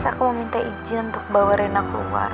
mas aku mau minta izin untuk bawa rena keluar